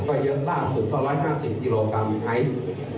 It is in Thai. ก็เยินล่าสุดต้อง๑๕๐กิโลกรัมไฮส์